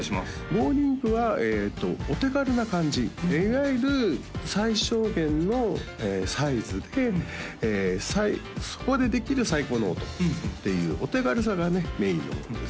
Ｇｏｌｉｎｋはお手軽な感じいわゆる最小限のサイズでそこでできる最高の音っていうお手軽さがメインのものですね